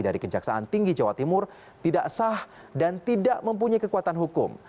dari kejaksaan tinggi jawa timur tidak sah dan tidak mempunyai kekuatan hukum